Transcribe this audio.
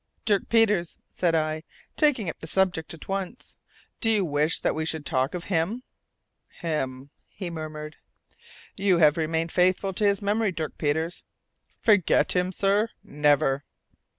"Dirk Peters," said I, taking up the subject at once, "do you wish that we should talk of him?" "Him!" he murmured. "You have remained faithful to his memory, Dirk Peters." "Forget him, sir! Never!"